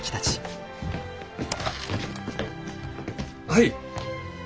はい。